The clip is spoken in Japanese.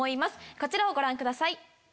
こちらをご覧ください。